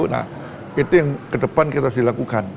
nah itu yang kedepan kita harus dilakukan